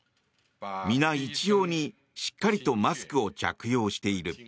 皆一様に、しっかりとマスクを着用している。